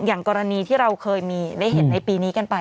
อย่างกรณีที่เราเคยมีได้เห็นในปีนี้กันไป